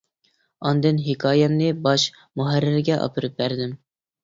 ئاندىن ھېكايەمنى باش مۇھەررىرگە ئاپىرىپ بەردىم.